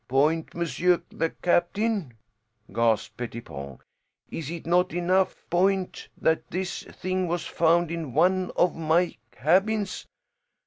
"Point, monsieur the captain?" gasped Pettipon. "Is it not enough point that this thing was found in one of my cabins?